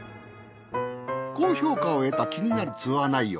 高評価を得た気になるツアー内容。